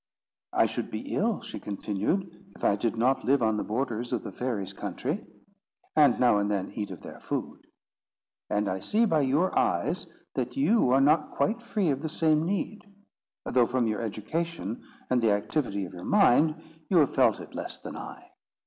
"I should be ill," she continued, "if I did not live on the borders of the fairies' country, and now and then eat of their food. And I see by your eyes that you are not quite free of the same need; though, from your education and the activity of your mind, you have felt it less than I.